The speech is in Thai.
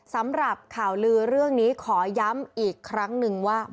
สำหรับข่าวลือเรื่องนี้ขอย้ำอีกครั้งหนึ่งว่า